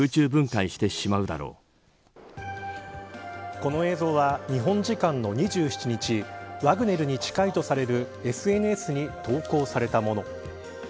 この映像は日本時間の２７日ワグネルに近いとされるＳＮＳに投稿されたもの。